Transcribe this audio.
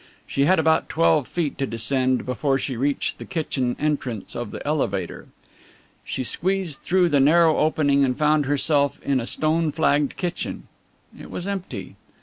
She had about twelve feet to descend before she reached the kitchen entrance of the elevator. She squeezed through the narrow opening and found herself in a stone flagged kitchen. It was empty.